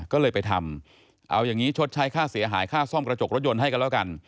ก็เลยไปทำเอาอย่างนี้ชดใช้ค่าเสียหายค่าซ่อมกระจกรถยนต์ให้กันแล้วกัน